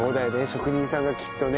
職人さんがきっとね。